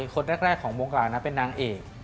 คนแรกของวงการนะเป็นนางเอก